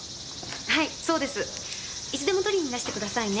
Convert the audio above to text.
はいそうです。いつでも取りにいらしてくださいね。